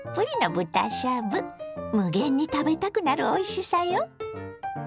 無限に食べたくなるおいしさよ！